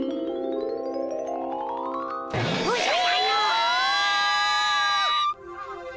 おじゃなぬ！